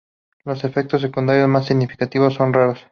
Los efectos secundarios más significativos son raros.